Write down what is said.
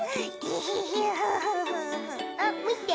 あっみて！